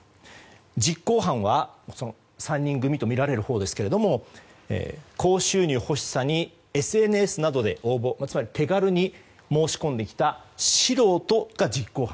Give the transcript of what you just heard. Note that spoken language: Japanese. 実行犯は３人組とみられるほうですけども高収入欲しさにＳＮＳなどで応募つまり、手軽に申し込んできた素人が実行犯。